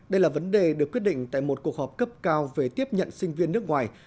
đây là vấn đề được quyết định tại một cuộc họp cấp cao về tiếp nhận sinh viên nước ngoài